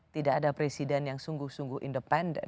tidak ada presiden yang sungguh sungguh independen